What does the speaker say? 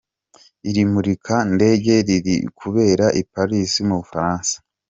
Iri murika-ndege ririkubera i Paris mu Bufaransa.